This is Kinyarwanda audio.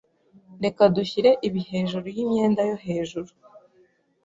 Reka dushyire ibi hejuru yimyenda yo hejuru.